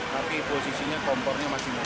tapi posisinya kompornya masih muda